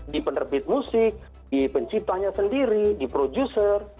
di penerbit musik di penciptanya sendiri di producer